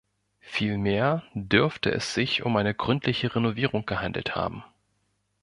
Vielmehr dürfte es sich um eine gründliche Renovierung gehandelt haben.